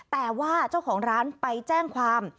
แต่ว่าเจ้าของร้านไปแจ้งความ